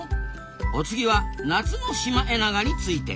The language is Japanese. お次は夏のシマエナガについて。